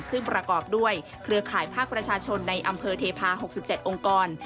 ซึ่งประกอบด้วยเครือข่ายภาคประชาชนในอำเภอเทพา๖๗องค์กร